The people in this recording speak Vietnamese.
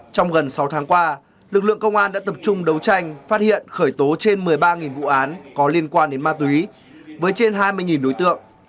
trong gần sáu tháng qua lực lượng công an đã tập trung đấu tranh phát hiện khởi tố trên một mươi ba vụ án có liên quan đến ma túy với trên hai mươi đối tượng